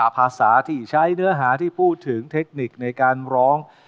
ภาษาที่ใช้เนื้อหาที่พูดถึงเทคนิคในการร้อง